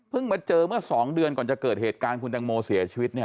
มาเจอเมื่อ๒เดือนก่อนจะเกิดเหตุการณ์คุณตังโมเสียชีวิตเนี่ย